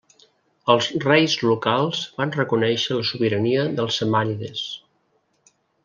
Els reis locals van reconèixer la sobirania dels samànides.